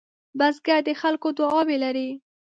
بزګر د خلکو دعاوې لري